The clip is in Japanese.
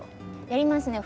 やりますね。